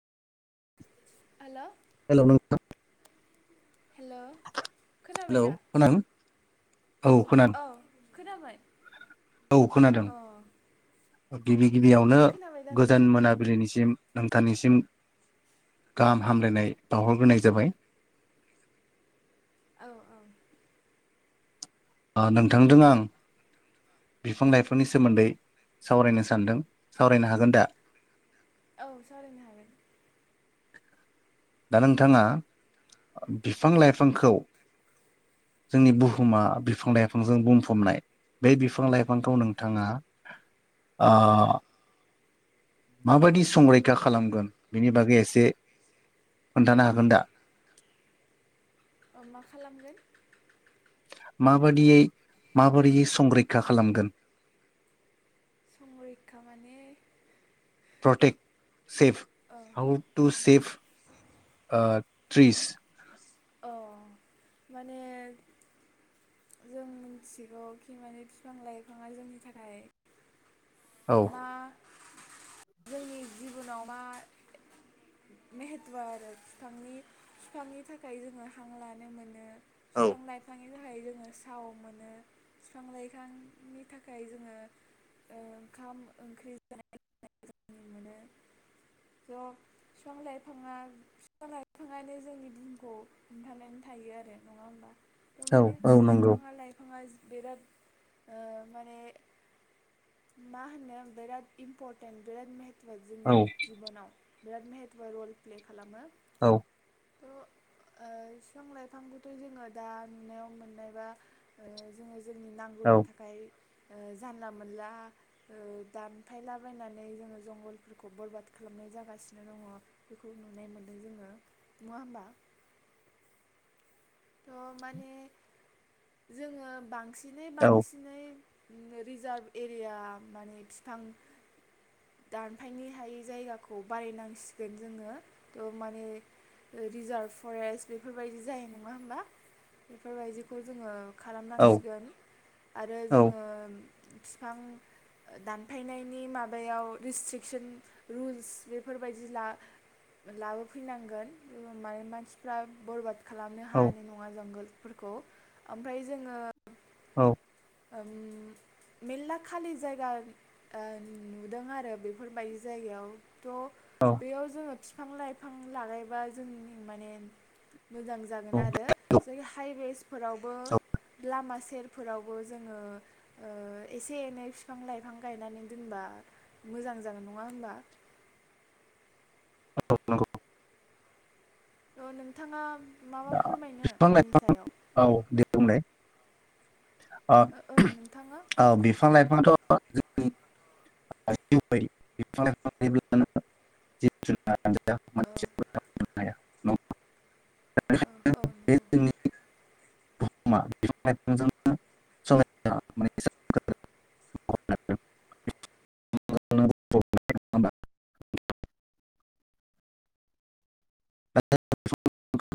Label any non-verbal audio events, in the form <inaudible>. हेल' hello नोंथां hello hello खोनादों औ खोनादों। खोनाबाय औ खोनादों। अ <unintelligible> गिबियावनो खोनाबाय दा गोजोन नोंथाङा मोनाबिलिनिसिम नोंथांनिसिम गाहाम हामलायनाय बावहरग्रोनाय जाबाय। औ औ। नोंथांजों आं बिफां लाइफांनि सोमोन्दै सावरायनो सानदों सावरायनो हागोन दा? औ सावरायनो हागोन। दा नोंथाङा बिफां लाइफांखौ जोंनि बुहुमा बिफां लाइफांजों बुंफबनाय बे बिफां लाइफांखौ नोंथाङा ओ माबायदि संरैखा खालामगोन बेनि बागै एसे खोन्थानो हागोन दा? अ मा खालामगोन? माबादियै माबोरैयै संरैखा खालामगोन। संरैखा माने प्रतेक सेफ औ हाउ टू औ सेफ ओ ट्रिस औ माने जों मिथिगौ खि माने बिफां लाइफाङा जोंनि थाखाय औ। मा जोंनि जिबनाव मा महेत' आरो बिफांनि बिफांनि थाखाय जोङो हां लानो मोनो औ बिफां लाइफां बिनि थाखाय जोङो साव मोनो बिफां लाइफांनि थाखाय जोङो ओ ओंखाम ओंख्रि <unintelligible> <unintelligible> बिफां लाइफाङा बिफां लाइफाङानो जोंनि दिनखौ हमथानानै थायो आरो नङा होमबा औ माने औ नंगौ बिफाङा लाइफाङा बिराद ओ माने मा होनो बिराद इम्परटेन्ट <unintelligible> औ जोंनि जिबनाव बिराद महतव रल प्ले खालामो औ। थ' ओ बिफां लाइफांखौथ' जोङो दा नुनायाव मोननायबा जोङो जोंनि नांगौनि औ थाखाय ओ जानला मोनला दानफायलाबायनानै जोङो जंगलफोरखौ बरबाद खालामनाय जागासिनो दङ बेखौ नुनाय मोनदों जोङो नङा होमबा? थ' माने जोङो बांसि <unintelligible> औ बांसिनै रिजार्भ एरिया माने बिफां दानफायनि हायि जायगाखौ बारिनांसिगोन जोङो त' माने रिजार्भ फरेस्ट बेफोरबायदि जायो नङा होमबा? बेफोरबायदिखौ जोङो औ खालामनांसिगोन आरो औ जोङो बिफां दानफायनायनि माबायाव रेस्ट्रिकसन रुल्स बेफोरबायदि ला-लाबोफैनांगोन माने मानसिफ्रा बरबाद खालाम थांनो हायानि नङा जोंगोल फोरखौ ओमफ्राय जोङो औ ओम मेलला खालि जायगा ओ नुदों आरो बेफोरबायदि जायगायाव थ' औ बेयाव जों फि फां लाइफां लागायबा जोंनि माने मोजां जागोन औ आरो औ जै हाइवेस फोरावबो लामा सेरफोराव बो जोङो ओ एसे एनै बिफां लाइफां गायनानै दोनबा मोजां जागोन नङा होमबा? <unintelligible> अ नोंथाङा माबा फोरमायनो बिफां बिनि लाइफां सायाव? औ दे बुंलाय अ ओ औ नोंथाङा औ बिफां लाइफांथ' औ औ औ <unintelligible> नंगौ <unintelligible> <unintelligible> <unintelligible> <unintelligible> <unintelligible>